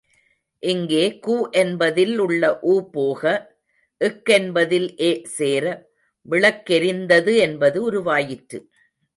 இங்கே கு என்பதில் உள்ள உ போக, க் என்பதில் எ சேர விளக்கெரிந்தது என்பது உருவாயிற்று.